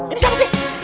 ini siapa sih